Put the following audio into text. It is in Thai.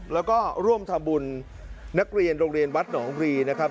แล้วก็ร่วมทำบุญนักเรียนโรงเรียนวัดหนองรีนะครับ